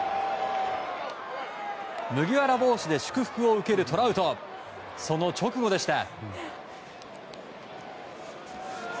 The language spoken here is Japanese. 麦わら帽子で祝福を受けるトラウト、その直後でした。